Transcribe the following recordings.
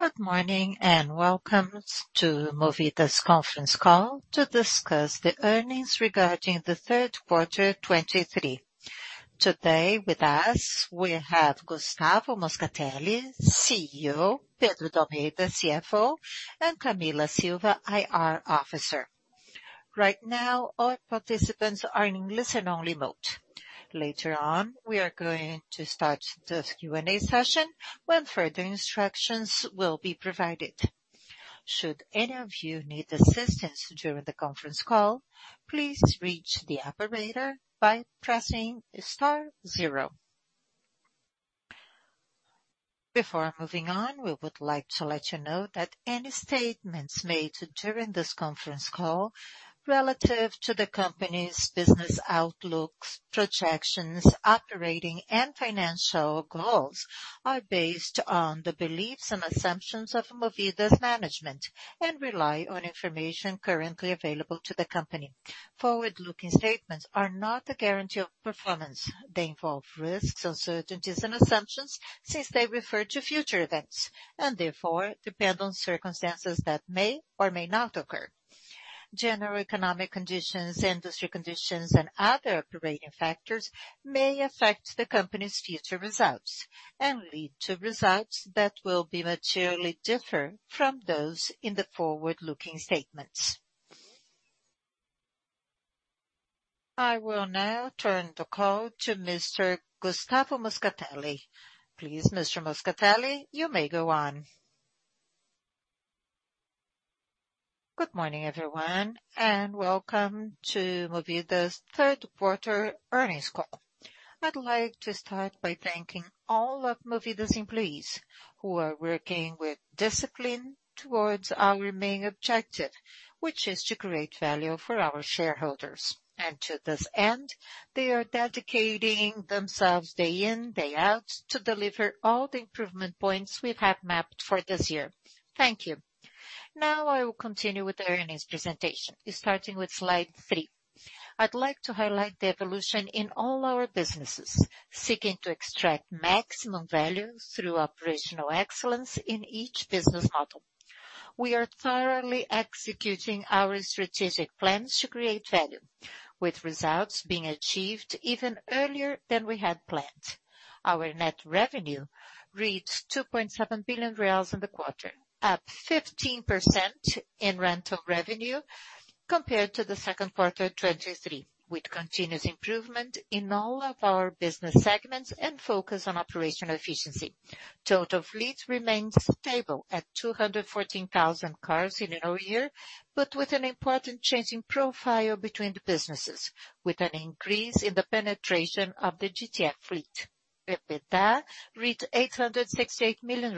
Good morning, and welcome to Movida's conference call to discuss the earnings regarding the third quarter 2023. Today, with us, we have Gustavo Moscatelli, CEO, Pedro d'Almeida, CFO, and Camila Silva, IR Officer. Right now, all participants are in listen-only mode. Later on, we are going to start the Q&A session, when further instructions will be provided. Should any of you need assistance during the conference call, please reach the operator by pressing star zero. Before moving on, we would like to let you know that any statements made during this conference call relative to the company's business outlooks, projections, operating, and financial goals, are based on the beliefs and assumptions of Movida's management, and rely on information currently available to the company. Forward-looking statements are not a guarantee of performance. They involve risks, uncertainties, and assumptions, since they refer to future events, and therefore depend on circumstances that may or may not occur. General economic conditions, industry conditions, and other operating factors may affect the company's future results and lead to results that will be materially different from those in the forward-looking statements. I will now turn the call to Mr. Gustavo Moscatelli. Please, Mr. Moscatelli, you may go on. Good morning, everyone, and welcome to Movida's third quarter earnings call. I'd like to start by thanking all of Movida's employees who are working with discipline towards our main objective, which is to create value for our shareholders. To this end, they are dedicating themselves day in, day out, to deliver all the improvement points we have mapped for this year. Thank you. Now I will continue with the earnings presentation, starting with slide three. I'd like to highlight the evolution in all our businesses, seeking to extract maximum value through operational excellence in each business model. We are thoroughly executing our strategic plans to create value, with results being achieved even earlier than we had planned. Our net revenue reached 2.7 billion reais in the quarter, up 15% in rental revenue compared to the second quarter of 2023, with continuous improvement in all of our business segments and focus on operational efficiency. Total fleet remains stable at 214,000 cars in the whole year, but with an important change in profile between the businesses, with an increase in the penetration of the GTF fleet. EBITDA reached BRL 868 million,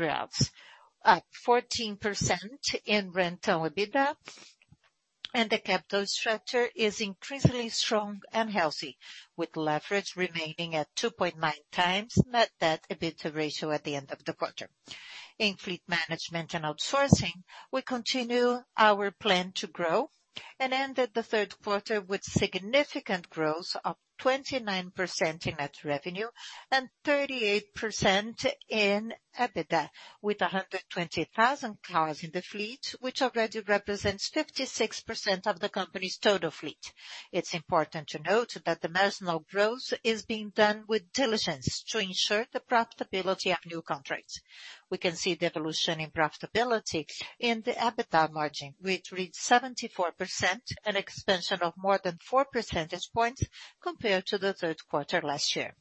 up 14% in rental EBITDA, and the capital structure is increasingly strong and healthy, with leverage remaining at 2.9x net debt/EBITDA ratio at the end of the quarter. In fleet management and outsourcing, we continue our plan to grow and ended the third quarter with significant growth of 29% in net revenue and 38% in EBITDA, with 120,000 cars in the fleet, which already represents 56% of the company's total fleet. It's important to note that the marginal growth is being done with diligence to ensure the profitability of new contracts. We can see the evolution in profitability in the EBITDA margin, which reached 74%, an expansion of more than four percentage points compared to the third quarter last year.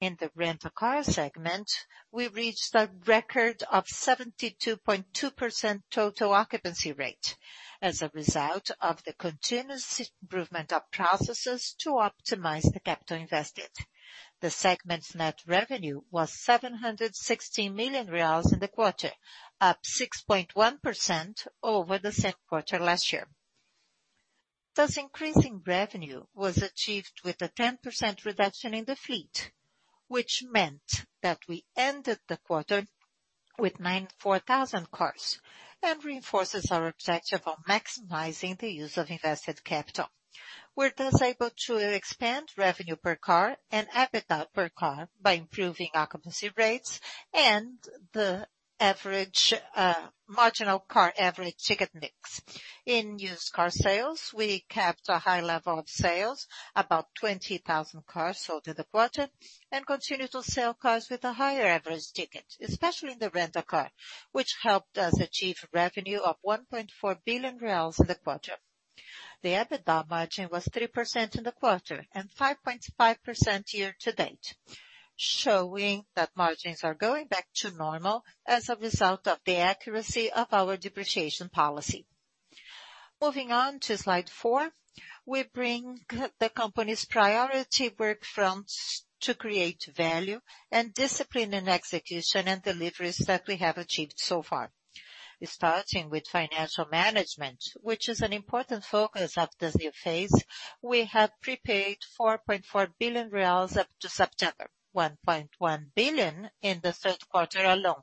In the Rent-a-Car segment, we reached a record of 72.2% total occupancy rate as a result of the continuous improvement of processes to optimize the capital invested. The segment's net revenue was 716 million reais in the quarter, up 6.1% over the second quarter last year. This increase in revenue was achieved with a 10% reduction in the fleet, which meant that we ended the quarter with 94,000 cars and reinforces our objective of maximizing the use of invested capital. We're thus able to expand revenue per car and EBITDA per car by improving occupancy rates and the average, marginal car average ticket mix. In used car sales, we kept a high level of sales, about 20,000 cars sold in the quarter, and continued to sell cars with a higher average ticket, especially in the Rent-a-Car, which helped us achieve revenue of 1.4 billion reais in the quarter. The EBITDA margin was 3% in the quarter and 5.5% year to date, showing that margins are going back to normal as a result of the accuracy of our depreciation policy. Moving on to slide four, we bring the company's priority work fronts to create value and discipline in execution and deliveries that we have achieved so far. Starting with financial management, which is an important focus of this new phase, we have prepaid 4.4 billion reais up to September, 1.1 billion in the third quarter alone,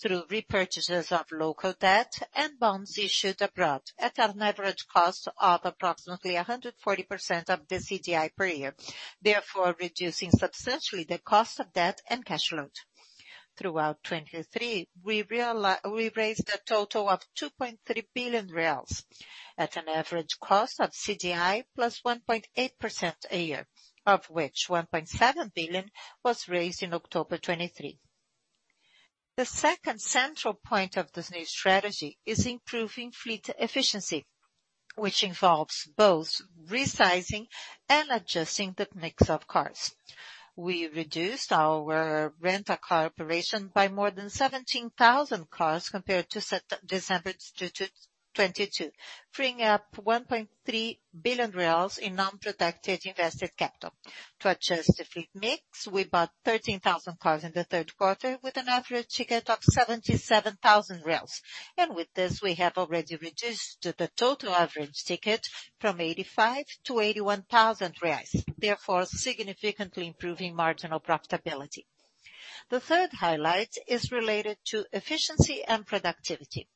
through repurchases of local debt and bonds issued abroad at an average cost of approximately 140% of the CDI per year, therefore reducing substantially the cost of debt and cash load. Throughout 2023, we raised a total of 2.3 billion reais, at an average cost of CDI + 1.8% a year, of which 1.7 billion was raised in October 2023. The second central point of this new strategy is improving fleet efficiency, which involves both resizing and adjusting the mix of cars. We reduced our Rent-a-Car operation by more than 17,000 cars compared to December 2022, freeing up 1.3 billion reais in non-protected invested capital. To adjust the fleet mix, we bought 13,000 cars in the third quarter, with an average ticket of 77,000 reais, and with this, we have already reduced the total average ticket from 85,000 to 81,000 reais, therefore significantly improving marginal profitability. The third highlight is related to efficiency and productivity.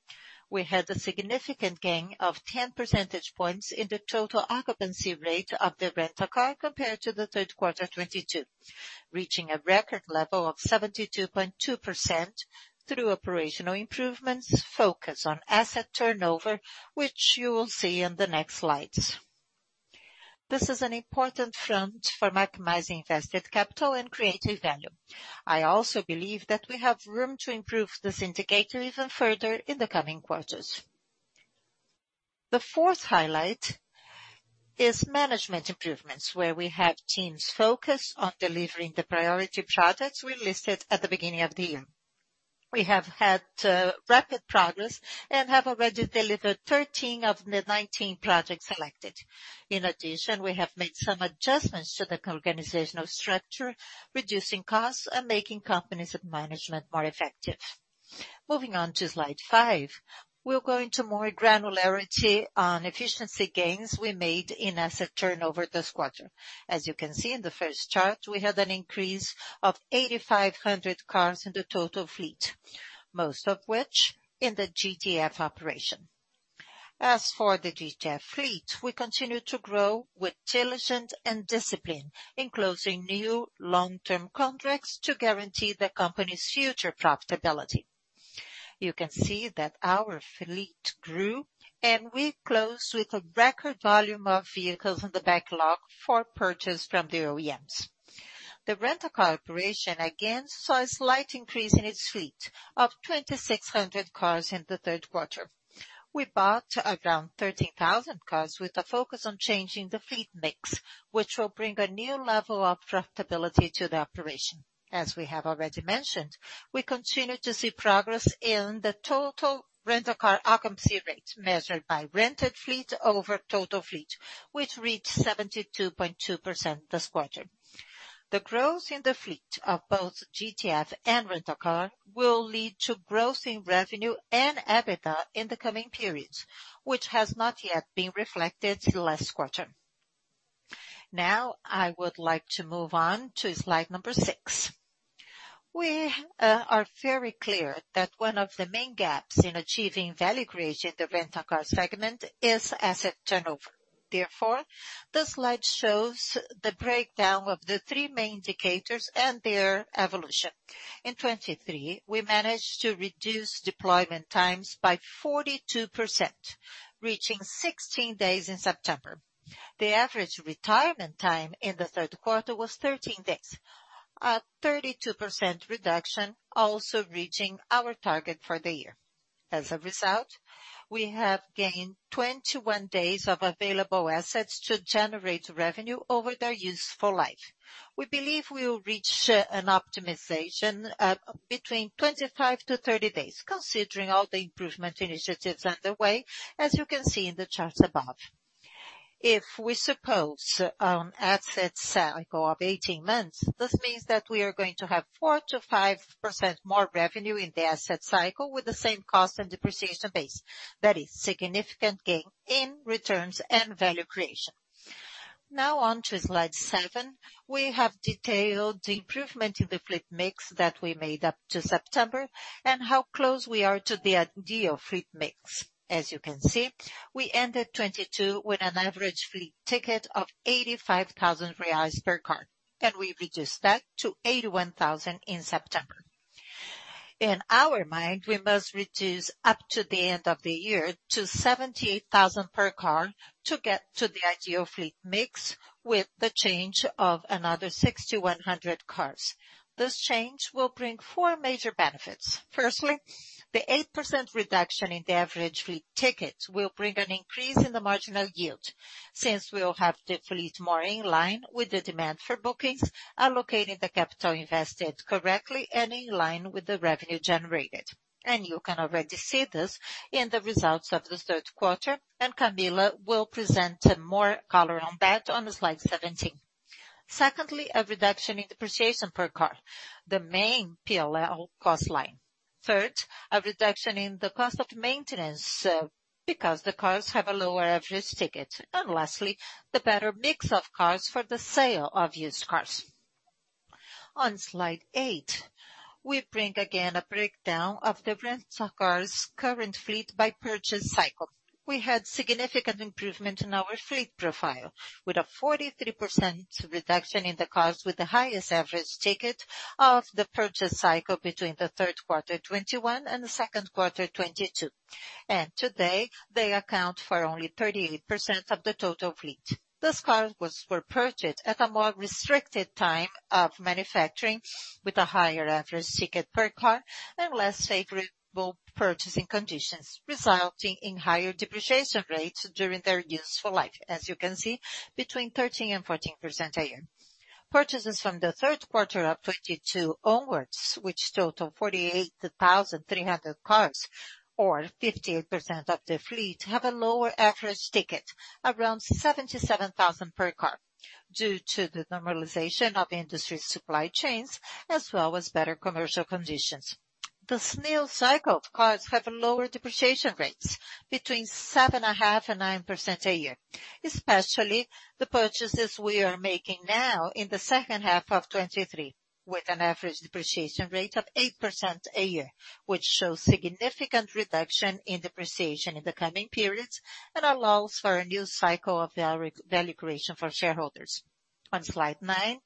We had a significant gain of 10 percentage points in the total occupancy rate of the Rent-a-Car compared to the third quarter 2022, reaching a record level of 72.2% through operational improvements focused on asset turnover, which you will see in the next slides. This is an important front for maximizing invested capital and creating value. I also believe that we have room to improve this indicator even further in the coming quarters. The fourth highlight is management improvements, where we have teams focused on delivering the priority projects we listed at the beginning of the year. We have had rapid progress and have already delivered 13 of the 19 projects selected. In addition, we have made some adjustments to the organizational structure, reducing costs and making companies and management more effective. Moving on to slide five, we'll go into more granularity on efficiency gains we made in asset turnover this quarter. As you can see in the first chart, we had an increase of 8,500 cars in the total fleet, most of which in the GTF operation. As for the GTF fleet, we continue to grow with diligence and discipline in closing new long-term contracts to guarantee the company's future profitability. You can see that our fleet grew, and we closed with a record volume of vehicles in the backlog for purchase from the OEMs. The Rent-a-Car operation again saw a slight increase in its fleet of 2,600 cars in the third quarter. We bought around 13,000 cars with a focus on changing the fleet mix, which will bring a new level of profitability to the operation. As we have already mentioned, we continue to see progress in the total Rent-a-Car occupancy rate, measured by rented fleet over total fleet, which reached 72.2% this quarter. The growth in the fleet of both GTF and Rent-a-Car will lead to growth in revenue and EBITDA in the coming periods, which has not yet been reflected last quarter. Now, I would like to move on to slide number six. We are very clear that one of the main gaps in achieving value creation in the Rent-a-Car segment is asset turnover. Therefore, this slide shows the breakdown of the three main indicators and their evolution. In 2023, we managed to reduce deployment times by 42%, reaching 16 days in September. The average retirement time in the third quarter was 13 days, a 32% reduction, also reaching our target for the year. As a result, we have gained 21 days of available assets to generate revenue over their useful life. We believe we will reach an optimization between 25-30 days, considering all the improvement initiatives underway, as you can see in the chart above. If we suppose asset cycle of 18 months, this means that we are going to have 4%-5% more revenue in the asset cycle with the same cost and depreciation base. That is significant gain in returns and value creation. Now on to slide seven. We have detailed the improvement in the fleet mix that we made up to September, and how close we are to the ideal fleet mix. As you can see, we ended 2022 with an average fleet ticket of 85,000 reais per car, and we reduced that to 81,000 in September. In our mind, we must reduce up to the end of the year to 78,000 per car to get to the ideal fleet mix with the change of another 6,100 cars. This change will bring four major benefits. Firstly, the 8% reduction in the average fleet ticket will bring an increase in the marginal yield, since we'll have the fleet more in line with the demand for bookings, allocating the capital invested correctly and in line with the revenue generated. And you can already see this in the results of the third quarter, and Camila will present more color on that on slide 17. Secondly, a reduction in depreciation per car, the main PLL cost line. Third, a reduction in the cost of maintenance, because the cars have a lower average ticket. And lastly, the better mix of cars for the sale of used cars. On slide 8, we bring again a breakdown of the Rent-a-Car's current fleet by purchase cycle. We had significant improvement in our fleet profile, with a 43% reduction in the cost, with the highest average ticket of the purchase cycle between the third quarter 2021 and the second quarter 2022. Today, they account for only 38% of the total fleet. Those cars were purchased at a more restricted time of manufacturing, with a higher average ticket per car and less favorable purchasing conditions, resulting in higher depreciation rates during their useful life. As you can see, between 13% and 14% a year. Purchases from the third quarter of 2022 onwards, which total 48,300 cars, or 58% of the fleet, have a lower average ticket, around 77,000 per car, due to the normalization of industry supply chains, as well as better commercial conditions. The new cycle cars have lower depreciation rates between 7.5% and 9% a year, especially the purchases we are making now in the second half of 2023, with an average depreciation rate of 8% a year, which shows significant reduction in depreciation in the coming periods and allows for a new cycle of value, value creation for shareholders. On slide nine,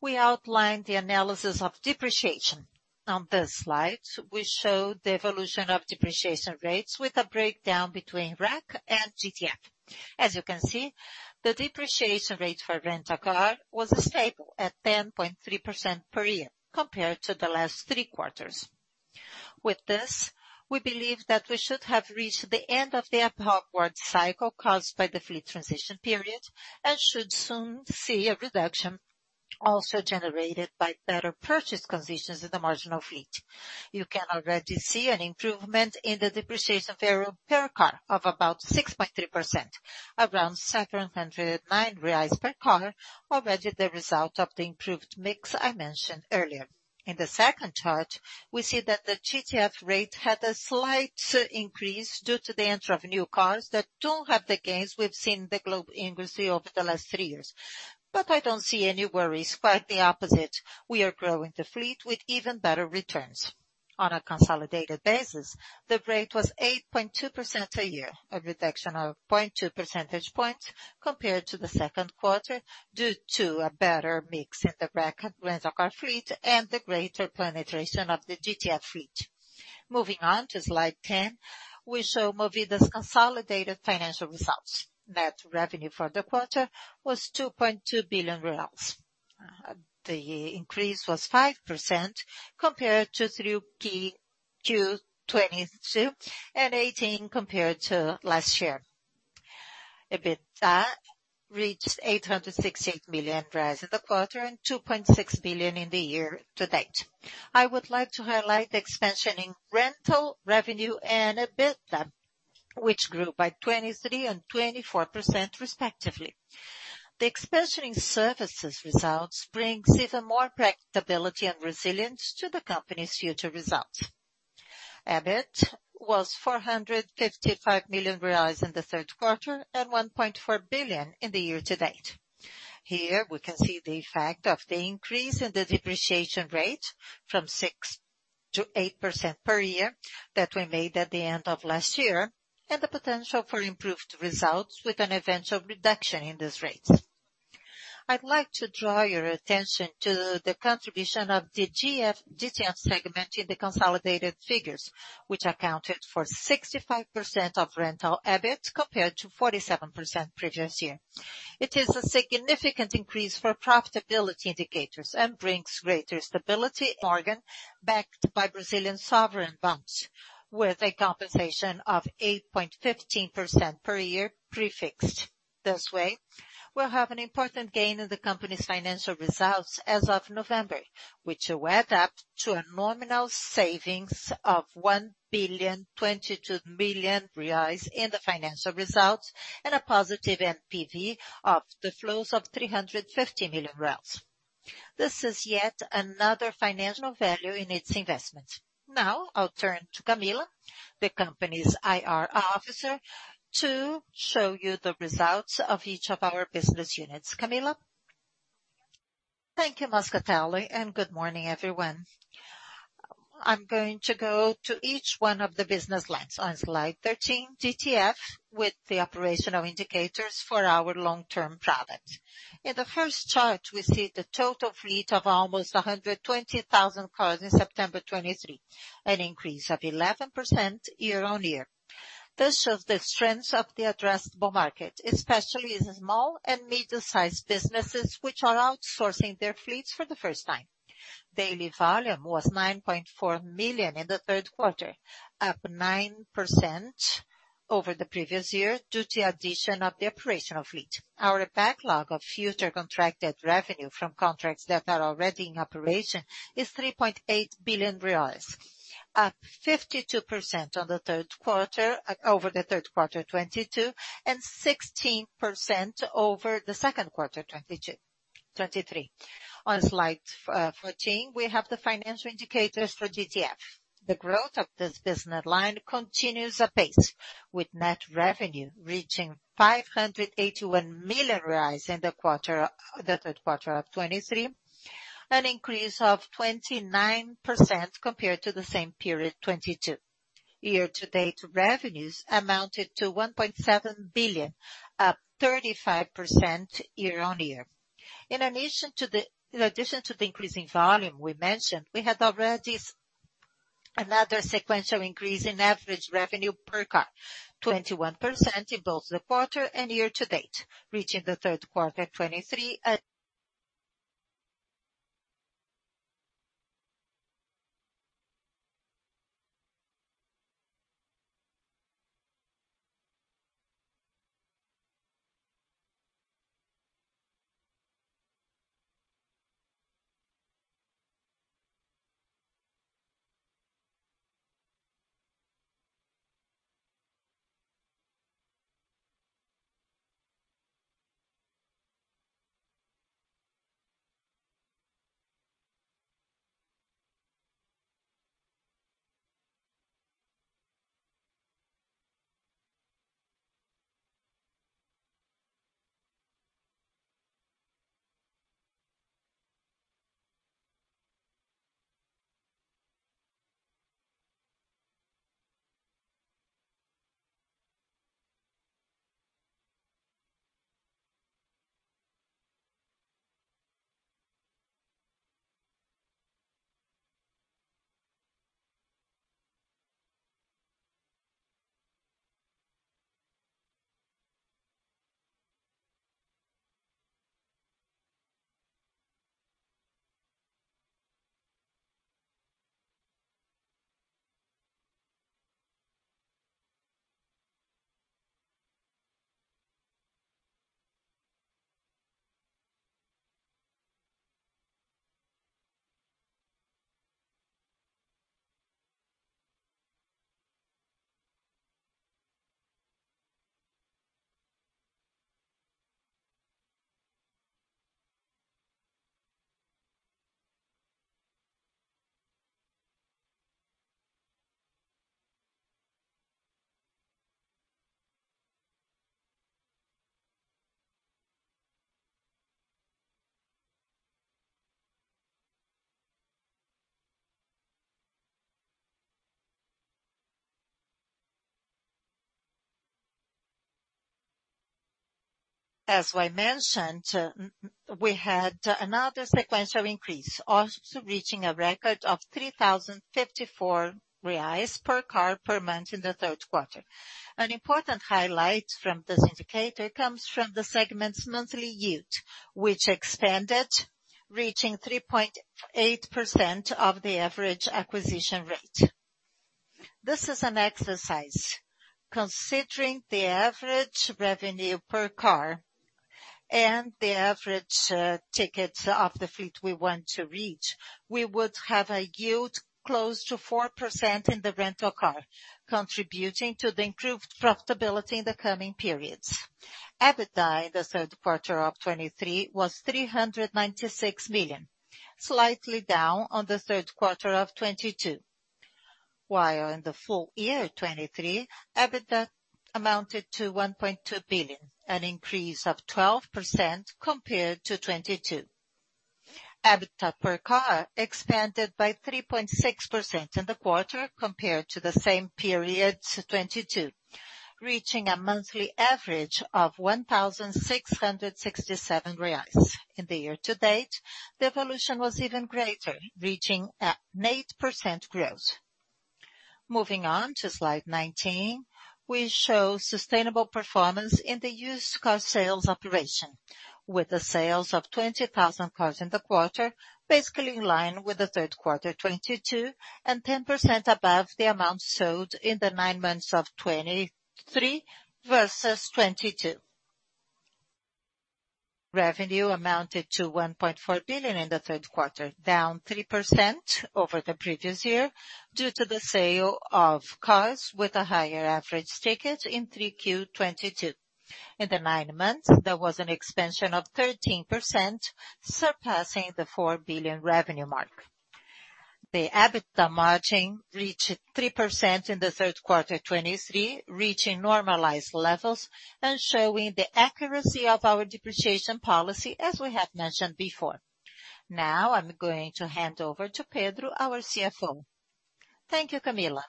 we outline the analysis of depreciation. On this slide, we show the evolution of depreciation rates with a breakdown between RAC and GTF. As you can see, the depreciation rate for Rent-a-Car was stable at 10.3% per year compared to the last three quarters. With this, we believe that we should have reached the end of the upward cycle caused by the fleet transition period, and should soon see a reduction also generated by better purchase conditions in the marginal fleet. You can already see an improvement in the depreciation per car of about 6.3%, around 709 reais per car, already the result of the improved mix I mentioned earlier. In the second chart, we see that the GTF rate had a slight increase due to the entry of new cars that don't have the gains we've seen in the global industry over the last three years. But I don't see any worries, quite the opposite. We are growing the fleet with even better returns. On a consolidated basis, the rate was 8.2% a year, a reduction of 0.2 percentage points compared to the second quarter, due to a better mix in the RAC, Rent-a-Car fleet and the greater penetration of the GTF fleet. Moving on to slide 10, we show Movida's consolidated financial results. Net revenue for the quarter was BRL 2.2 billion. The increase was 5% compared to 3Q 2022, and 18% compared to last year. EBITDA reached 868 million in the quarter, and 2.6 billion in the year to date. I would like to highlight the expansion in rental revenue and EBITDA, which grew by 23% and 24%, respectively. The expansion in services results brings even more profitability and resilience to the company's future results. EBIT was 455 million reais in the third quarter, and 1.4 billion in the year to date. Here, we can see the effect of the increase in the depreciation rate from 6% to 8% per year that we made at the end of last year, and the potential for improved results with an eventual reduction in these rates. I'd like to draw your attention to the contribution of the GTF segment in the consolidated figures, which accounted for 65% of rental EBIT, compared to 47% previous year. It is a significant increase for profitability indicators and brings greater stability, backed by Brazilian sovereign banks, with a compensation of 8.15% per year prefixed. This way, we'll have an important gain in the company's financial results as of November, which will add up to a nominal savings of 1.022 billion in the financial results, and a positive NPV of the flows of 350 million. This is yet another financial value in its investment. Now, I'll turn to Camila, the company's IR officer, to show you the results of each of our business units. Camila? Thank you, Moscatelli, and good morning, everyone. I'm going to go to each one of the business lines. On slide 13, GTF, with the operational indicators for our long-term product. In the first chart, we see the total fleet of almost 120,000 cars in September 2023, an increase of 11% year-on-year. This shows the strength of the addressable market, especially in small and mid-sized businesses, which are outsourcing their fleets for the first time. Daily volume was 9.4 million in the third quarter, up 9% over the previous year, due to addition of the operational fleet. Our backlog of future contracted revenue from contracts that are already in operation is 3.8 billion reais, up 52% over the third quarter 2022, and 16% over the second quarter 2023. On slide 14, we have the financial indicators for GTF. The growth of this business line continues apace, with net revenue reaching 581 million in the quarter. The third quarter of 2023, an increase of 29% compared to the same period 2022. Year-to-date revenues amounted to 1.7 billion, up 35% year-on-year. In addition to the increasing volume we mentioned, we had already another sequential increase in average revenue per car, 21% in both the quarter and year-to-date, reaching the third quarter at 23. As I mentioned, we had another sequential increase, also reaching a record of 3,054 reais per car per month in the third quarter. An important highlight from this indicator comes from the segment's monthly yield, which expanded, reaching 3.8% of the average acquisition rate. This is an exercise. Considering the average revenue per car and the average ticket of the fleet we want to reach, we would have a yield close to 4% in the Rent-a-Car, contributing to the improved profitability in the coming periods. EBITDA in the third quarter of 2023 was 396 million, slightly down on the third quarter of 2022. While in the full year 2023, EBITDA amounted to 1.2 billion, an increase of 12% compared to 2022. EBITDA per car expanded by 3.6% in the quarter, compared to the same period 2022, reaching a monthly average of 1,667 reais. In the year to date, the evolution was even greater, reaching an 8% growth. Moving on to slide 19, we show sustainable performance in the used car sales operation, with the sales of 20,000 cars in the quarter, basically in line with the third quarter 2022, and 10% above the amount sold in the nine months of 2023 versus 2022. Revenue amounted to 1.4 billion in the third quarter, down 3% over the previous year, due to the sale of cars with a higher average ticket in 3Q 2022. In the nine months, there was an expansion of 13%, surpassing the 4 billion revenue mark. The EBITDA margin reached 3% in the third quarter 2023, reaching normalized levels and showing the accuracy of our depreciation policy, as we had mentioned before. Now I'm going to hand over to Pedro, our CFO. Thank you, Camila.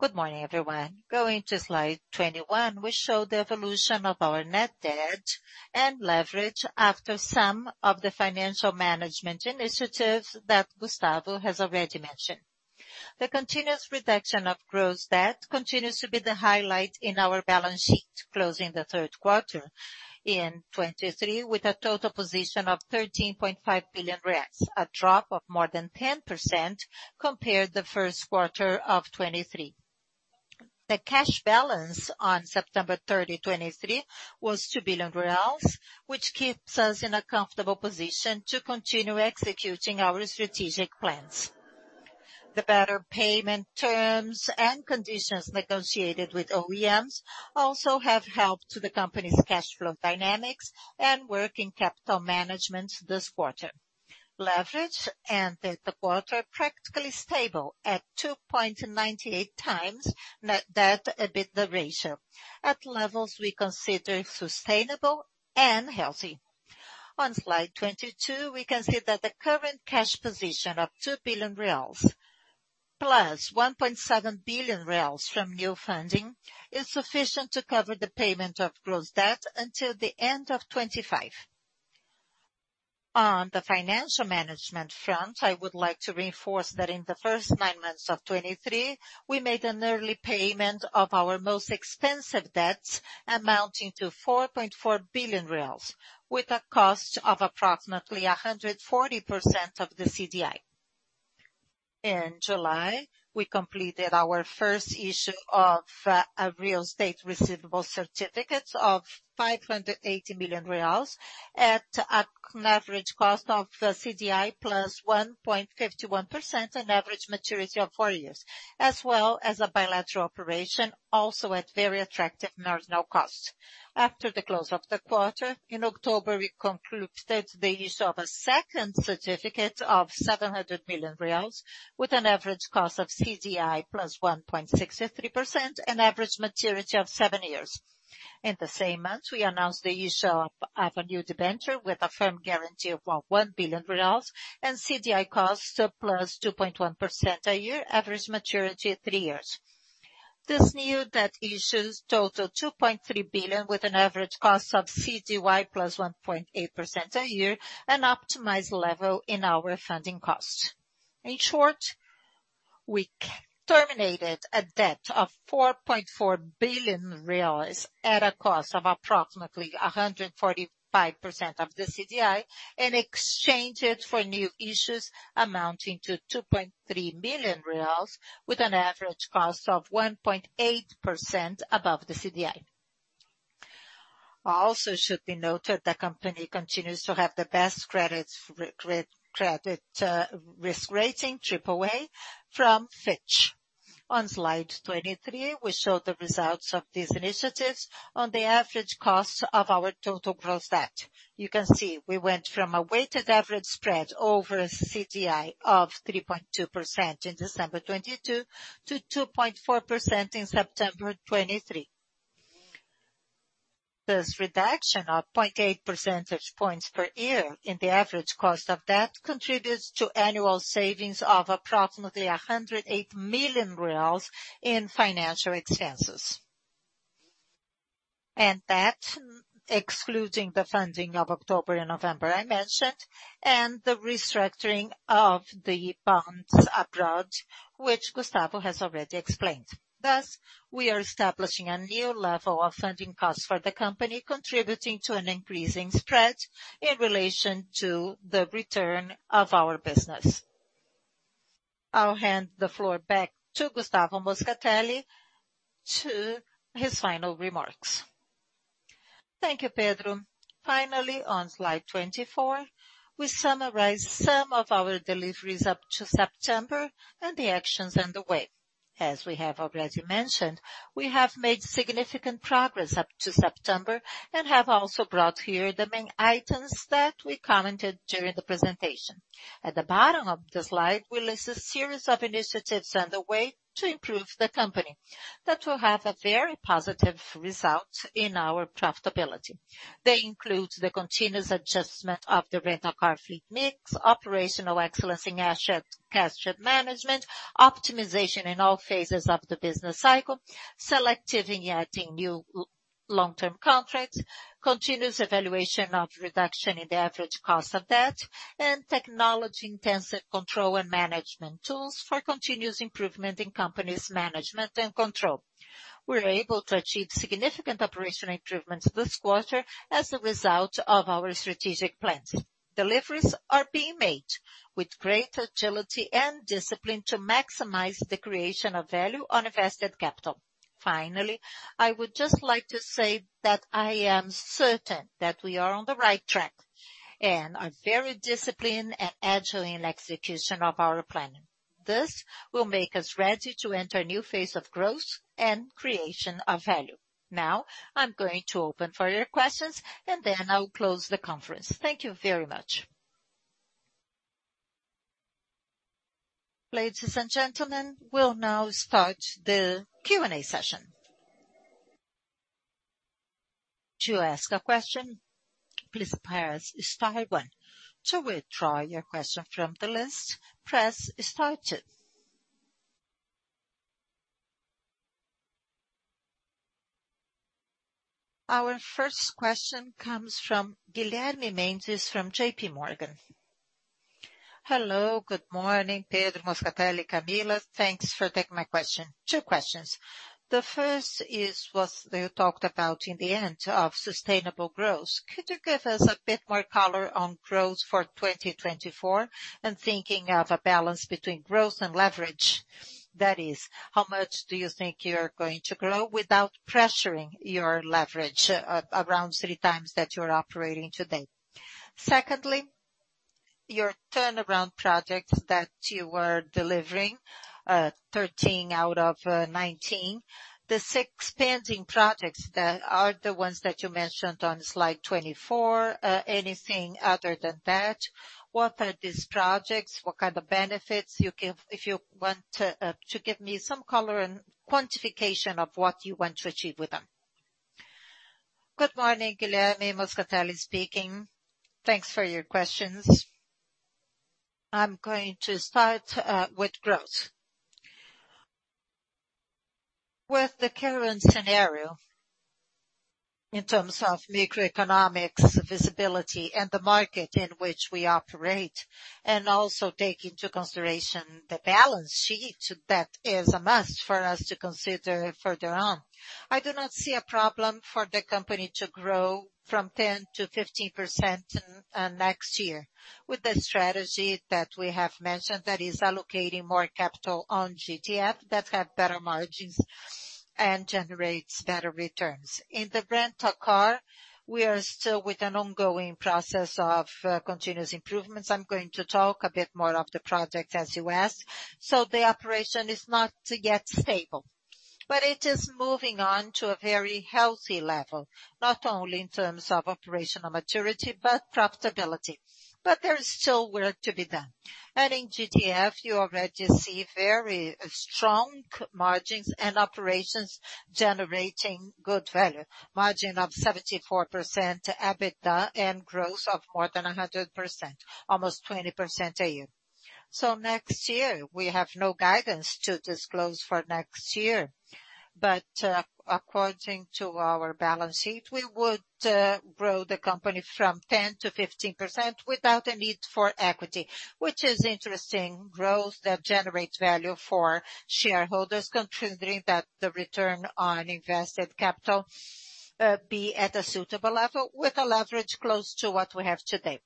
Good morning, everyone. Going to slide 21, we show the evolution of our net debt and leverage after some of the financial management initiatives that Gustavo has already mentioned. The continuous reduction of gross debt continues to be the highlight in our balance sheet, closing the third quarter of 2023 with a total position of 13.5 billion reais, a drop of more than 10% compared to the first quarter of 2023. The cash balance on September 30, 2023 was 2 billion reais, which keeps us in a comfortable position to continue executing our strategic plans. The better payment terms and conditions negotiated with OEMs also have helped the company's cash flow dynamics and working capital management this quarter. Leverage in the quarter is practically stable at 2.98x net debt to EBITDA ratio, at levels we consider sustainable and healthy. On slide 22, we can see that the current cash position of 2 billion reais, plus 1.7 billion reais from new funding, is sufficient to cover the payment of gross debt until the end of 2025. On the financial management front, I would like to reinforce that in the first nine months of 2023, we made an early payment of our most expensive debts, amounting to 4.4 billion reais, with a cost of approximately 140% of the CDI. In July, we completed our first issue of a real estate receivable certificates of 580 million reais at an average cost of CDI + 1.51% and average maturity of four years, as well as a bilateral operation, also at very attractive marginal costs. After the close of the quarter, in October, we concluded the issue of a second certificate of 700 million reais with an average cost of CDI +1.63% an average maturity of seven years. In the same month, we announced the issue of a new debenture with a firm guarantee of BRL 1 billion and CDI costs +2.1% a year, average maturity of three years. This new debt issues total 2.3 billion, with an average cost of CDI +1.8% a year, an optimized level in our funding cost. In short, we terminated a debt of 4.4 billion reais at a cost of approximately 145% of the CDI, and exchanged it for new issues amounting to 2.3 million reais, with an average cost of 1.8% above the CDI. Also should be noted, the company continues to have the best credit risk rating, AAA from Fitch. On slide 23, we show the results of these initiatives on the average cost of our total gross debt. You can see we went from a weighted average spread over a CDI of 3.2% in December 2022 to 2.4% in September 2023. This reduction of 0.8 percentage points per year in the average cost of debt contributes to annual savings of approximately 108 million reais in financial expenses. That, excluding the funding of October and November, I mentioned, and the restructuring of the bonds abroad, which Gustavo has already explained. Thus, we are establishing a new level of funding costs for the company, contributing to an increasing spread in relation to the return of our business. I'll hand the floor back to Gustavo Moscatelli to his final remarks. Thank you, Pedro. Finally, on slide 24, we summarize some of our deliveries up to September and the actions underway. As we have already mentioned, we have made significant progress up to September and have also brought here the main items that we commented during the presentation. At the bottom of the slide, we list a series of initiatives underway to improve the company that will have a very positive result in our profitability. They include the continuous adjustment of the Rent-a-Car fleet mix, operational excellence in asset, cash management, optimization in all phases of the business cycle, selectively adding new long-term contracts, continuous evaluation of reduction in the average cost of debt, and technology-intensive control and management tools for continuous improvement in company's management and control. We were able to achieve significant operational improvements this quarter as a result of our strategic plans. Deliveries are being made with great agility and discipline to maximize the creation of value on invested capital. Finally, I would just like to say that I am certain that we are on the right track and are very disciplined and agile in execution of our planning. This will make us ready to enter a new phase of growth and creation of value. Now, I'm going to open for your questions, and then I'll close the conference. Thank you very much. Ladies and gentlemen, we'll now start the Q&A session. To ask a question, please press star one. To withdraw your question from the list, press star two. Our first question comes from Guilherme Mendes, from JPMorgan. Hello, good morning, Pedro, Moscatelli, Camila. Thanks for taking my question. Two questions: The first is, what you talked about in the end of sustainable growth. Could you give us a bit more color on growth for 2024? And thinking of a balance between growth and leverage, that is, how much do you think you're going to grow without pressuring your leverage, around 3x that you're operating today? Secondly, your turnaround projects that you were delivering, 13 out of 19. The six pending projects that are the ones that you mentioned on slide 24, anything other than that? What are these projects? What kind of benefits you give—if you want to, to give me some color and quantification of what you want to achieve with them. Good morning, Guilherme, Moscatelli speaking. Thanks for your questions. I'm going to start with growth. With the current scenario, in terms of microeconomics, visibility, and the market in which we operate, and also take into consideration the balance sheet, that is a must for us to consider further on. I do not see a problem for the company to grow from 10% to 15%, next year. With the strategy that we have mentioned, that is allocating more capital on GTF, that have better margins and generates better returns. In the Rent-a-Car, we are still with an ongoing process of continuous improvements. I'm going to talk a bit more of the project, as you asked. So the operation is not yet stable, but it is moving on to a very healthy level, not only in terms of operational maturity, but profitability. But there is still work to be done. And in GTF, you already see very strong margins and operations generating good value. Margin of 74% EBITDA and growth of more than 100%, almost 20% a year. So next year, we have no guidance to disclose for next year, but, according to our balance sheet, we would, grow the company from 10% to 15% without a need for equity, which is interesting growth that generates value for shareholders, considering that the return on invested capital, be at a suitable level with a leverage close to what we have today.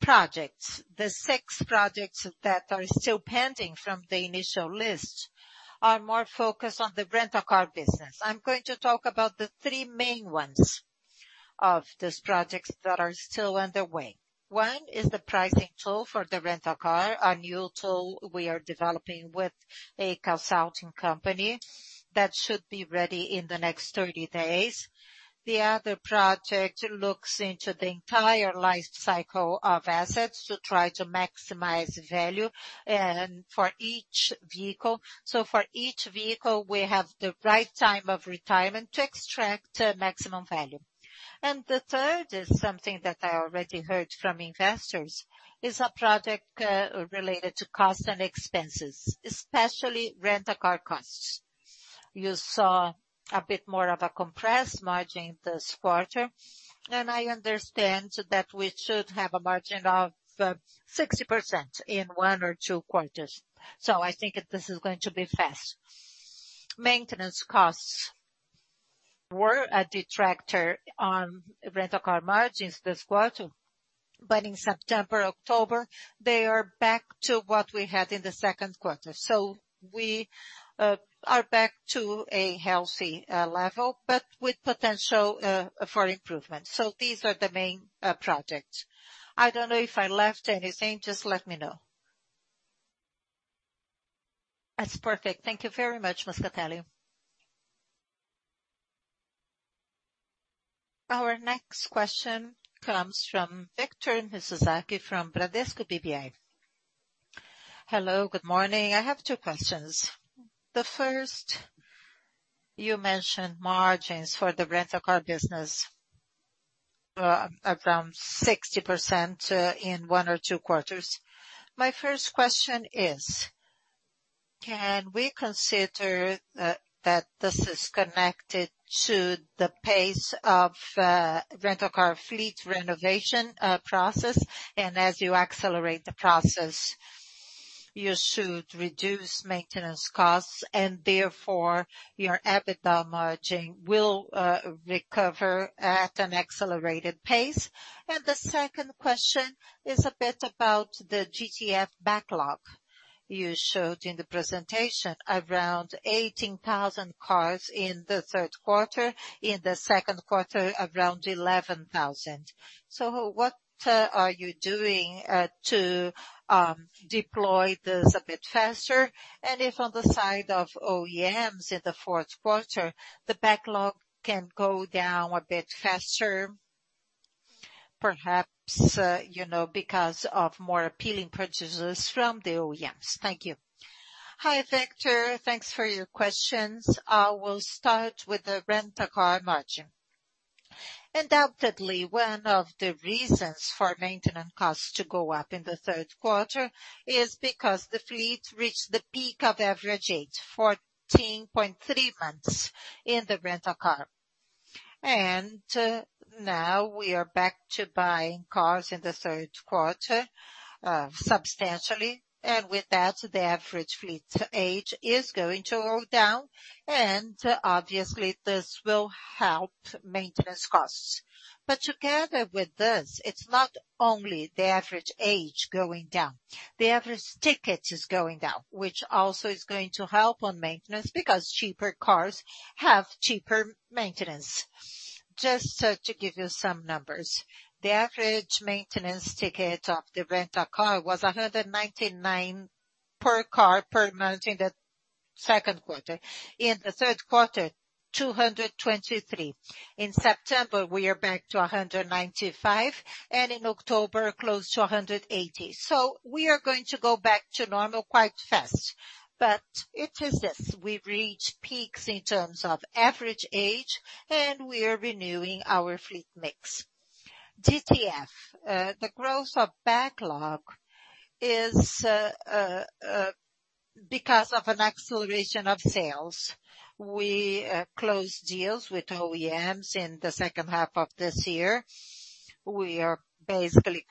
Projects. The six projects that are still pending from the initial list are more focused on the Rent-a-Car business. I'm going to talk about the three main ones of these projects that are still underway. One is the pricing tool for the Rent-a-Car, a new tool we are developing with a consulting company that should be ready in the next 30 days. The other project looks into the entire life cycle of assets to try to maximize value, and for each vehicle. So for each vehicle, we have the right time of retirement to extract maximum value. The third is something that I already heard from investors, is a project related to cost and expenses, especially Rent-a-Car costs. You saw a bit more of a compressed margin this quarter, and I understand that we should have a margin of 60% in one or two quarters, so I think that this is going to be fast. Maintenance costs were a detractor on Rent-a-Car margins this quarter, but in September, October, they are back to what we had in the second quarter. So we are back to a healthy level, but with potential for improvement. So these are the main projects. I don't know if I left anything, just let me know. That's perfect. Thank you very much, Moscatelli. Our next question comes from Victor Mizusaki from Bradesco BBI. Hello, good morning. I have two questions. The first, you mentioned margins for the Rent-a-Car business around 60% in one or two quarters. My first question is: can we consider that this is connected to the pace of Rent-a-Car fleet renovation process, and as you accelerate the process, you should reduce maintenance costs, and therefore your EBITDA margin will recover at an accelerated pace? And the second question is a bit about the GTF backlog. You showed in the presentation around 18,000 cars in the third quarter, in the second quarter, around 11,000. So what are you doing to deploy this a bit faster? And if on the side of OEMs in the fourth quarter, the backlog can go down a bit faster, perhaps you know, because of more appealing purchases from the OEMs. Thank you. Hi, Victor. Thanks for your questions. I will start with the Rent-a-Car margin. Undoubtedly, one of the reasons for maintenance costs to go up in the third quarter is because the fleet reached the peak of average age, 14.3 months in the Rent-a-Car. And, now we are back to buying cars in the third quarter, substantially, and with that, the average fleet age is going to go down, and obviously this will help maintenance costs. But together with this, it's not only the average age going down, the average ticket is going down, which also is going to help on maintenance, because cheaper cars have cheaper maintenance... Just, to give you some numbers, the average maintenance ticket of the Rent-a-Car was 199 per car per month in the second quarter. In the third quarter, 223. In September, we are back to 195, and in October, close to 180. So we are going to go back to normal quite fast. But it is this, we've reached peaks in terms of average age, and we are renewing our fleet mix. GTF, the growth of backlog is because of an acceleration of sales. We closed deals with OEMs in the second half of this year. We are basically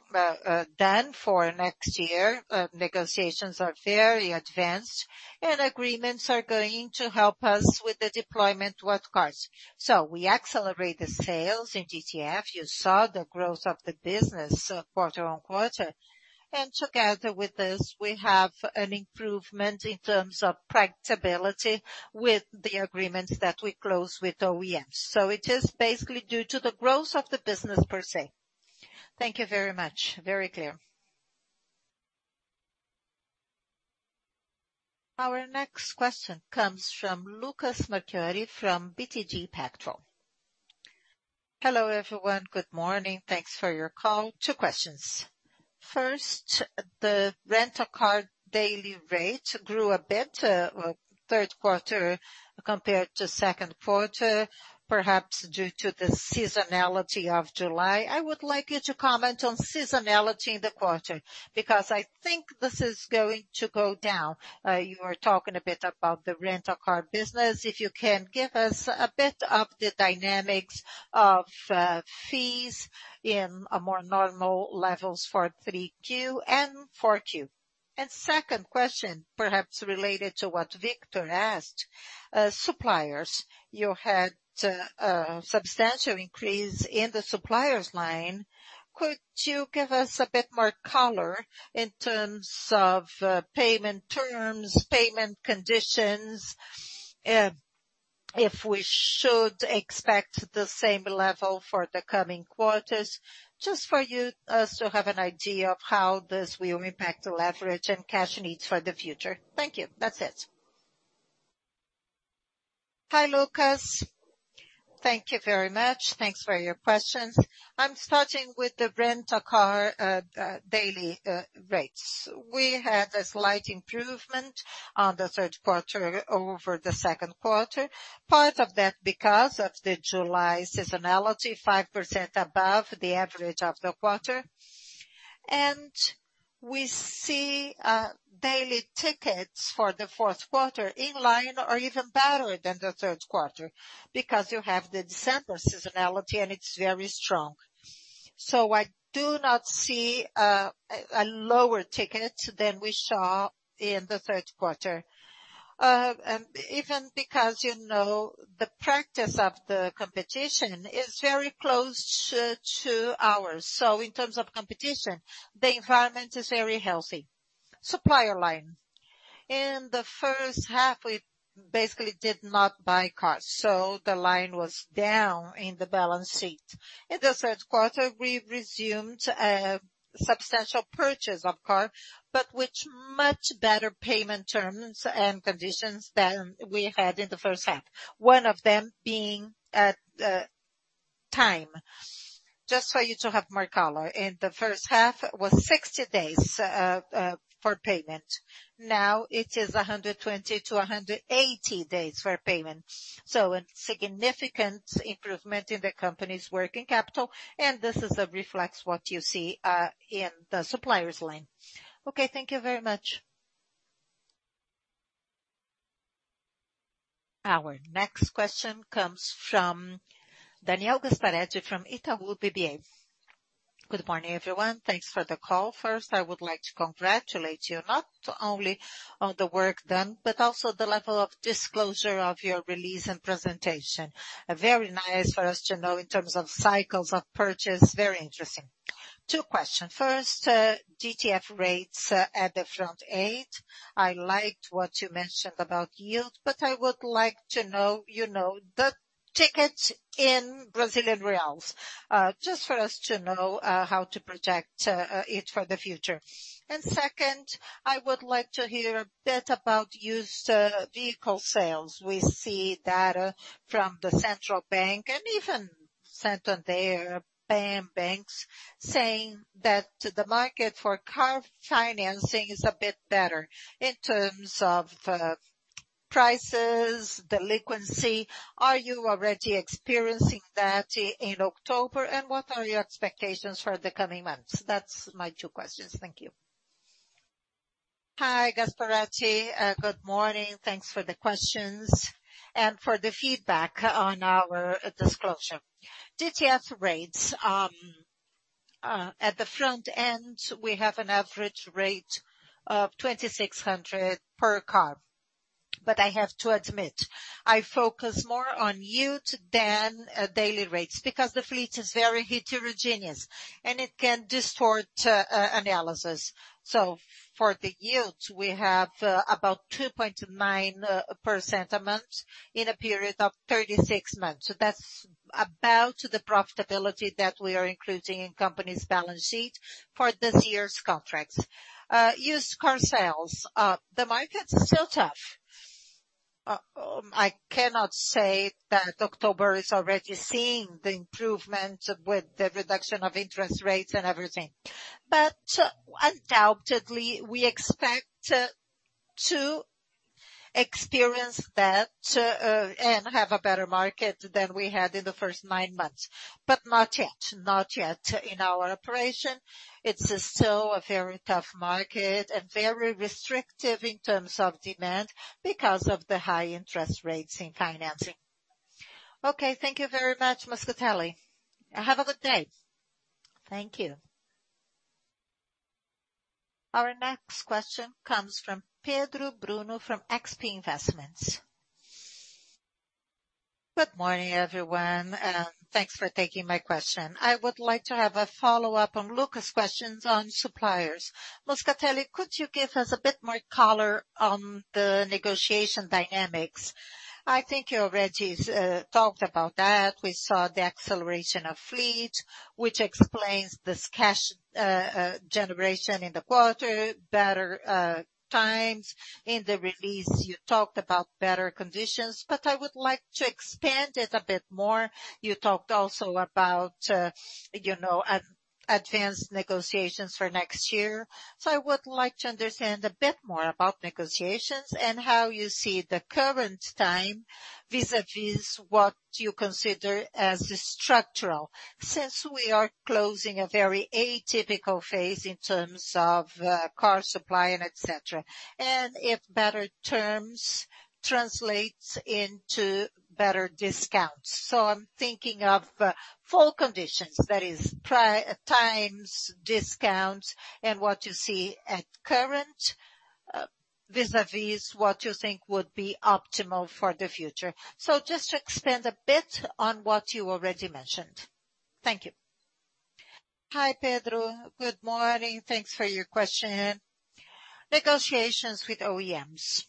done for next year. Negotiations are very advanced, and agreements are going to help us with the deployment with cars. So we accelerate the sales in GTF. You saw the growth of the business quarter-over-quarter, and together with this, we have an improvement in terms of predictability with the agreements that we close with OEMs. So it is basically due to the growth of the business per se. Thank you very much. Very clear. Our next question comes from Lucas Marquiori from BTG Pactual. Hello, everyone. Good morning. Thanks for your call. Two questions: First, the Rent-a-Car daily rate grew a bit, well, third quarter compared to second quarter, perhaps due to the seasonality of July. I would like you to comment on seasonality in the quarter, because I think this is going to go down. You were talking a bit about the Rent-a-Car business. If you can give us a bit of the dynamics of fees in a more normal levels for 3Q and 4Q. And second question, perhaps related to what Victor asked, suppliers. You had a substantial increase in the suppliers line. Could you give us a bit more color in terms of payment terms, payment conditions, if we should expect the same level for the coming quarters, just for us to have an idea of how this will impact the leverage and cash needs for the future. Thank you. That's it. Hi, Lucas. Thank you very much. Thanks for your questions. I'm starting with the Rent-a-Car daily rates. We had a slight improvement on the third quarter over the second quarter, part of that because of the July seasonality, 5% above the average of the quarter. We see daily tickets for the fourth quarter in line or even better than the third quarter, because you have the December seasonality, and it's very strong. So I do not see a lower ticket than we saw in the third quarter. And even because, you know, the practice of the competition is very close to ours. So in terms of competition, the environment is very healthy. Supplier line. In the first half, we basically did not buy cars, so the line was down in the balance sheet. In the third quarter, we resumed substantial purchase of car, but with much better payment terms and conditions than we had in the first half, one of them being time. Just for you to have more color, in the first half was 60 days for payment. Now it is 120 to 180 days for payment. So a significant improvement in the company's working capital, and this is a reflex of what you see in the suppliers line. Okay, thank you very much. Our next question comes from Daniel Gasparete from Itaú BBA. Good morning, everyone. Thanks for the call. First, I would like to congratulate you not only on the work done, but also the level of disclosure of your release and presentation. Very nice for us to know in terms of cycles of purchase, very interesting. Two questions. First, GTF rates at the front-end. I liked what you mentioned about yield, but I would like to know, you know, the tickets in Brazilian reals, just for us to know, how to project it for the future. Second, I would like to hear a bit about used vehicle sales. We see data from the Central Bank and even Santander banks saying that the market for car financing is a bit better in terms of prices, delinquency. Are you already experiencing that in October, and what are your expectations for the coming months? That's my two questions. Thank you. Hi, Gasparete. Good morning. Thanks for the questions and for the feedback on our disclosure. GTF rates at the front end, we have an average rate of 2,600 per car. But I have to admit, I focus more on yield than daily rates, because the fleet is very heterogeneous, and it can distort analysis. So for the yields, we have about 2.9% a month in a period of 36 months. So that's about the profitability that we are including in the company's balance sheet for this year's contracts. Used car sales. The market's still tough. I cannot say that October is already seeing the improvement with the reduction of interest rates and everything. But undoubtedly, we expect to experience that, and have a better market than we had in the first nine months. But not yet, not yet. In our operation, it's still a very tough market and very restrictive in terms of demand, because of the high interest rates in financing. Okay, thank you very much, Moscatelli. Have a good day. Thank you. Our next question comes from Pedro Bruno, from XP Investments. Good morning, everyone, and thanks for taking my question. I would like to have a follow-up on Lucas' questions on suppliers. Moscatelli, could you give us a bit more color on the negotiation dynamics? I think you already talked about that. We saw the acceleration of fleet, which explains this cash generation in the quarter, better times. In the release, you talked about better conditions, but I would like to expand it a bit more. You talked also about, you know, advanced negotiations for next year. So I would like to understand a bit more about negotiations and how you see the current time, vis-a-vis what you consider as structural, since we are closing a very atypical phase in terms of car supply and et cetera, and if better terms translates into better discounts. So I'm thinking of full conditions, that is prices, times, discounts, and what you see at current, vis-a-vis what you think would be optimal for the future. So just to expand a bit on what you already mentioned. Thank you. Hi, Pedro. Good morning. Thanks for your question. Negotiations with OEMs.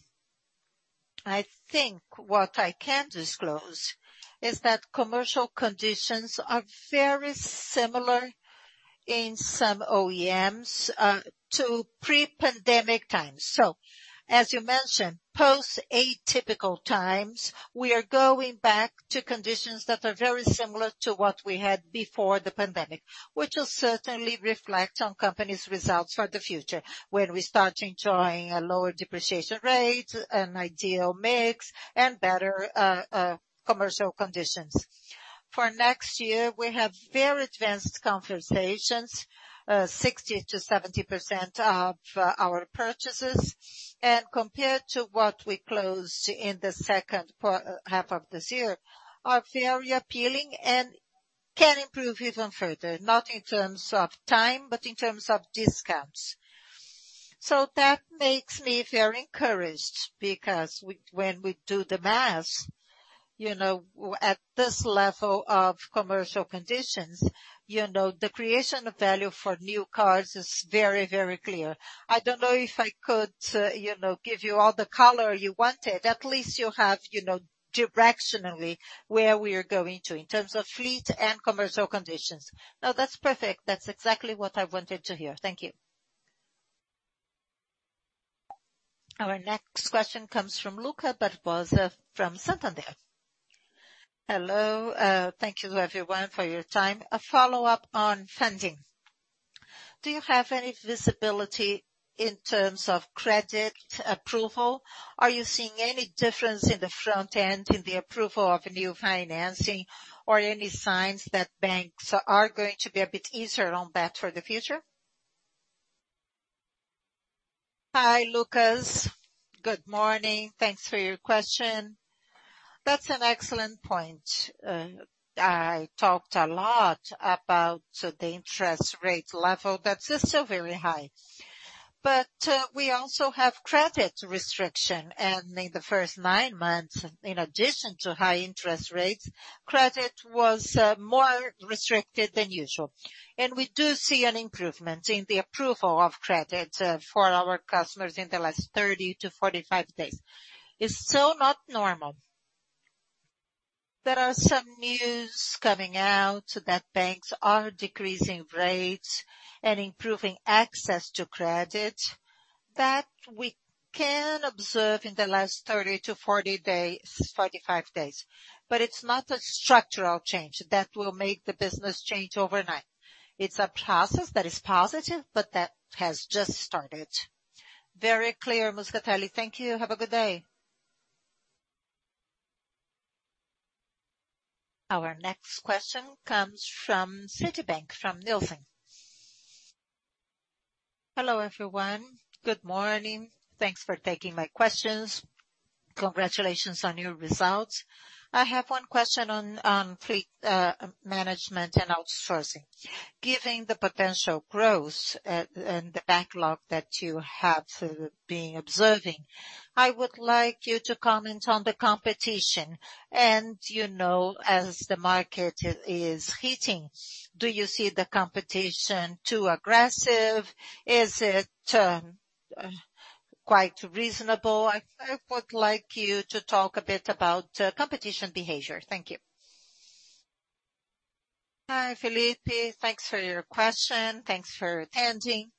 I think what I can disclose is that commercial conditions are very similar in some OEMs to pre-pandemic times. So as you mentioned, post-atypical times, we are going back to conditions that are very similar to what we had before the pandemic, which will certainly reflect on company's results for the future when we start enjoying a lower depreciation rate, an ideal mix, and better commercial conditions. For next year, we have very advanced conversations, 60%-70% of our purchases, and compared to what we closed in the second half of this year, are very appealing and can improve even further, not in terms of time, but in terms of discounts. So that makes me very encouraged, because we, when we do the math, you know, at this level of commercial conditions, you know, the creation of value for new cars is very, very clear. I don't know if I could, you know, give you all the color you wanted. At least you have, you know, directionally where we are going to in terms of fleet and commercial conditions. No, that's perfect. That's exactly what I wanted to hear. Thank you. Our next question comes from Lucas Barbosa, from Santander. Hello. Thank you, everyone, for your time. A follow-up on funding. Do you have any visibility in terms of credit approval? Are you seeing any difference in the front end, in the approval of new financing, or any signs that banks are going to be a bit easier on that for the future? Hi, Lucas. Good morning. Thanks for your question. That's an excellent point. I talked a lot about the interest rate level, that is still very high. But we also have credit restriction, and in the first nine months, in addition to high interest rates, credit was more restricted than usual. And we do see an improvement in the approval of credit for our customers in the last 30-45 days. It's still not normal. There are some news coming out that banks are decreasing rates and improving access to credit, that we can observe in the last 30 to 40 days, 45 days. But it's not a structural change that will make the business change overnight. It's a process that is positive, but that has just started. Very clear, Moscatelli. Thank you. Have a good day. Our next question comes from Citibank, from Nielsen. Hello, everyone. Good morning. Thanks for taking my questions. Congratulations on your results. I have one question on fleet management and outsourcing. Given the potential growth and the backlog that you have been observing, I would like you to comment on the competition and, you know, as the market is hitting, do you see the competition too aggressive? Is it quite reasonable? I would like you to talk a bit about competition behavior. Thank you. Hi, Filipe. Thanks for your question. Thanks for attending.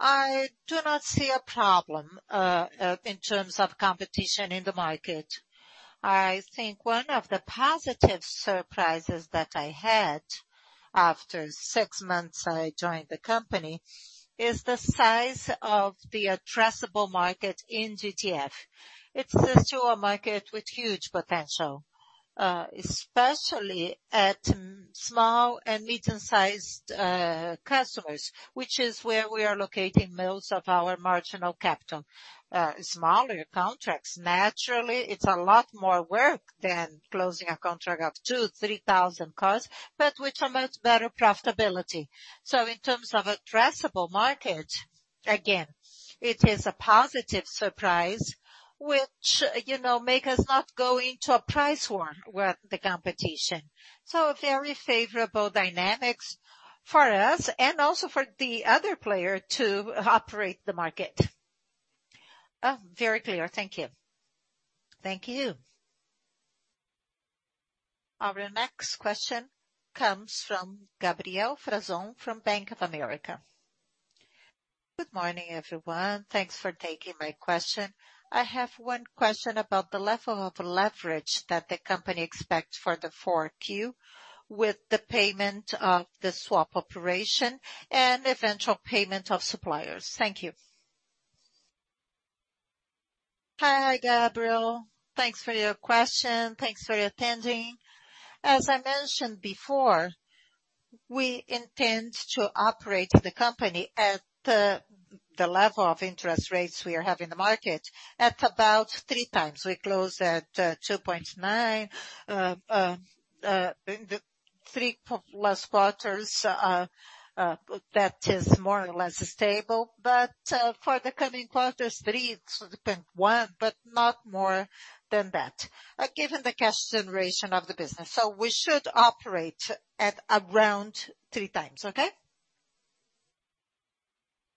I do not see a problem in terms of competition in the market. I think one of the positive surprises that I had after six months I joined the company is the size of the addressable market in GTF. It's still a market with huge potential, especially at small and medium-sized customers, which is where we are locating most of our marginal capital. Smaller contracts, naturally, it's a lot more work than closing a contract of 2000-3000 cars, but which promotes better profitability. So in terms of addressable market, again, it is a positive surprise, which, you know, make us not go into a price war with the competition. So very favorable dynamics for us and also for the other player to operate the market. Very clear. Thank you. Thank you. Our next question comes from Gabriel Frazon from Bank of America. Good morning, everyone. Thanks for taking my question. I have one question about the level of leverage that the company expects for the 4Q, with the payment of the swap operation and eventual payment of suppliers. Thank you. Hi, Gabriel. Thanks for your question. Thanks for attending. As I mentioned before, we intend to operate the company at the level of interest rates we have in the market at about 3x. We closed at 2.9x in the three last quarters, that is more or less stable, but for the coming quarters, 3x, so depending on, but not more than that, given the cash generation of the business. So we should operate at around 3x. Okay?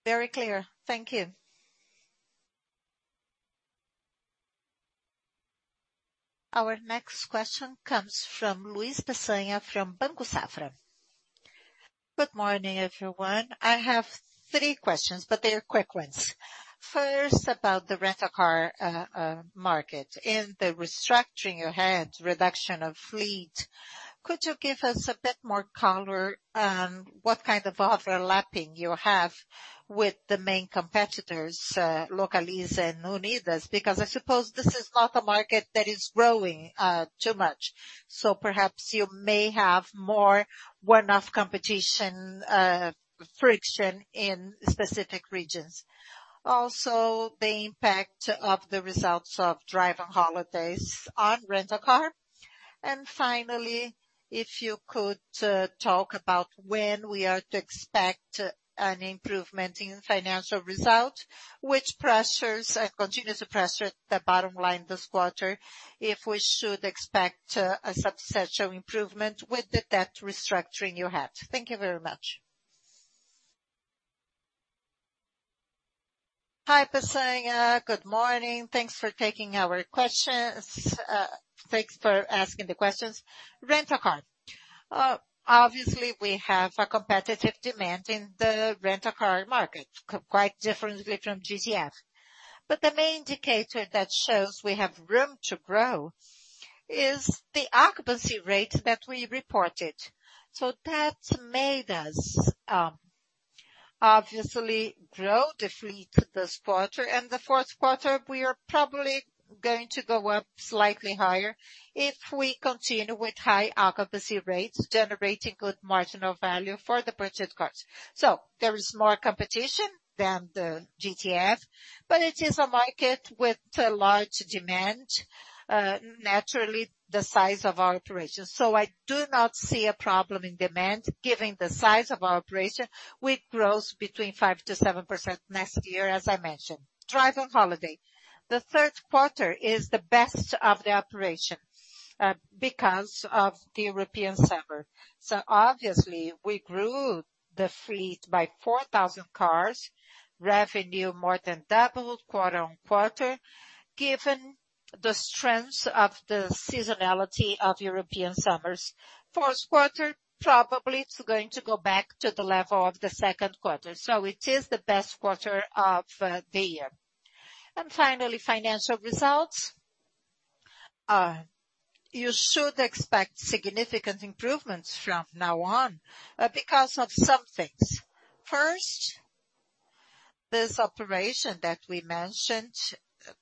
Very clear. Thank you. Our next question comes from Luiz Pecanha, from Banco Safra. Good morning, everyone. I have three questions, but they are quick ones. First, about the Rent-a-Car market. In the restructuring you had, reduction of fleet, could you give us a bit more color on what kind of overlapping you have with the main competitors, Localiza and Unidas? Because I suppose this is not a market that is growing too much. So perhaps you may have more one-off competition, friction in specific regions. Also, the impact of the results of Drive on Holidays on Rent-a-Car. And finally, if you could talk about when we are to expect an improvement in financial result, which pressures continues to pressure the bottom line this quarter, if we should expect a substantial improvement with the debt restructuring you had. Thank you very much. Hi, Pecanha. Good morning. Thanks for taking our questions. Thanks for asking the questions. Rent-a-Car. Obviously, we have a competitive demand in the Rent-a-Car market, quite differently from GTF. But the main indicator that shows we have room to grow is the occupancy rate that we reported. So that made us, obviously grow the fleet this quarter, and the fourth quarter, we are probably going to go up slightly higher if we continue with high occupancy rates, generating good marginal value for the purchased cars. So there is more competition than the GTF, but it is a market with a large demand, naturally, the size of our operation. So I do not see a problem in demand, given the size of our operation, with growth between 5%-7% next year, as I mentioned. Drive on Holiday. The third quarter is the best of the operation, because of the European summer. So obviously, we grew the fleet by 4,000 cars, revenue more than doubled quarter-on-quarter, given the strengths of the seasonality of European summers. Fourth quarter, probably it's going to go back to the level of the second quarter, so it is the best quarter of the year. And finally, financial results. You should expect significant improvements from now on, because of some things. First, this operation that we mentioned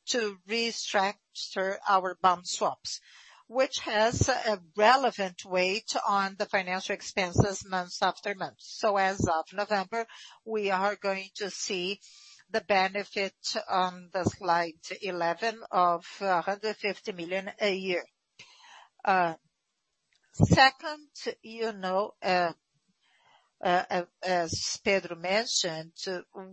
to restructure our bond swaps, which has a relevant weight on the financial expenses months after months. So as of November, we are going to see the benefit on the slide 11 of 150 million a year. Second, you know, as Pedro mentioned,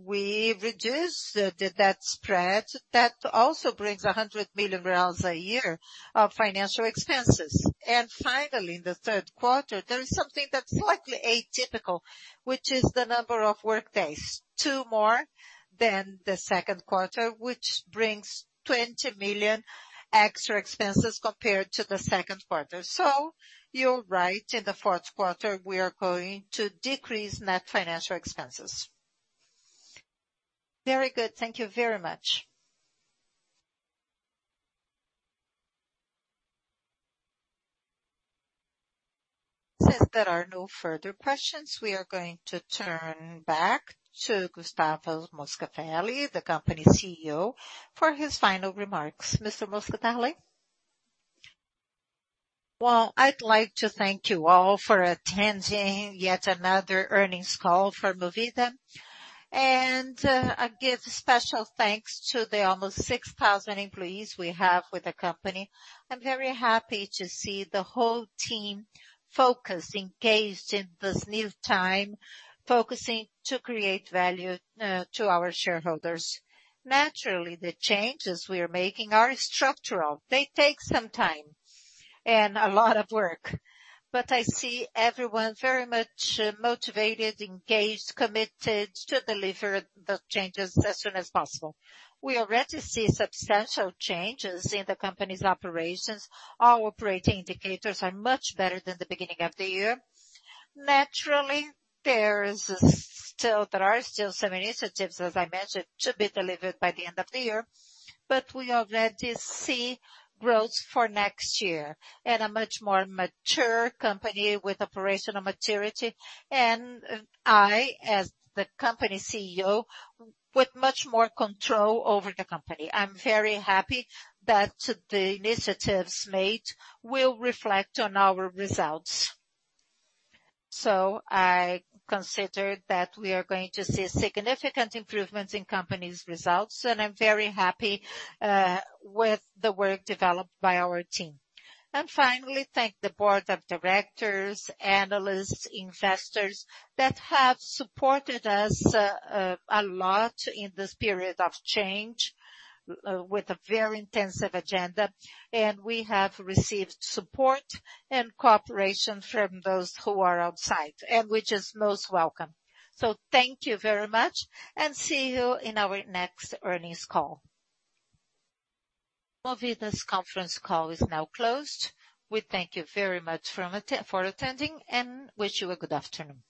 we reduced the debt spread. That also brings 100 million reais a year of financial expenses. And finally, in the third quarter, there is something that's slightly atypical, which is the number of workdays. Two more than the second quarter, which brings 20 million extra expenses compared to the second quarter. So you're right, in the fourth quarter, we are going to decrease net financial expenses. Very good. Thank you very much. Since there are no further questions, we are going to turn back to Gustavo Moscatelli, the company's CEO, for his final remarks. Mr. Moscatelli? Well, I'd like to thank you all for attending yet another earnings call for Movida. And, I give special thanks to the almost 6,000 employees we have with the company. I'm very happy to see the whole team focused, engaged in this new time, focusing to create value, to our shareholders. Naturally, the changes we are making are structural. They take some time and a lot of work, but I see everyone very much motivated, engaged, committed to deliver the changes as soon as possible. We already see substantial changes in the company's operations. Our operating indicators are much better than the beginning of the year. Naturally, there is still, there are still some initiatives, as I mentioned, to be delivered by the end of the year, but we already see growth for next year and a much more mature company with operational maturity. And I, as the company CEO, with much more control over the company, I'm very happy that the initiatives made will reflect on our results. So I consider that we are going to see significant improvements in company's results, and I'm very happy with the work developed by our team. And finally, thank the Board of Directors, analysts, investors that have supported us a lot in this period of change with a very intensive agenda. We have received support and cooperation from those who are outside, and which is most welcome. Thank you very much, and see you in our next earnings call. Movida's conference call is now closed. We thank you very much for attending, and wish you a good afternoon.